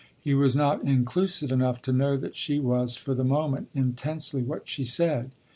He was not inclusive enough to know that she was for the moment intensely what she said.